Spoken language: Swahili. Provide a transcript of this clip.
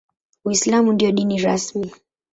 Uislamu ndio dini rasmi.